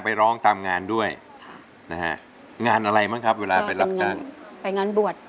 ไม่ห่างกันเลยนะ